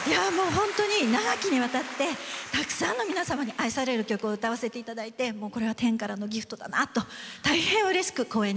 ほんとに長きにわたってたくさんの皆様に愛される曲を歌わせて頂いてこれは天からのギフトだなと大変うれしく光栄に思っています。